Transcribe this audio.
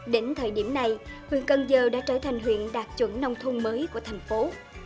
đến thời điểm này huyện cân dơ đã trở thành huyện đạt chuẩn nông thôn mới của thành phố